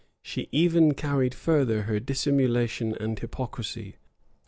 She even carried further her dissimulation and hypocrisy.